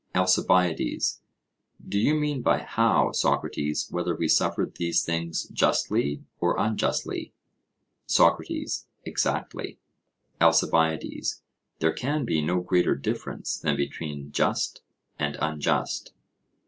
ALCIBIADES: Do you mean by 'how,' Socrates, whether we suffered these things justly or unjustly? SOCRATES: Exactly. ALCIBIADES: There can be no greater difference than between just and unjust.